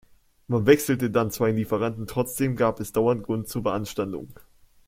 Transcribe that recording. Man wechselte dann zwar den Lieferanten, trotzdem gab es dauernd Grund zur Beanstandung.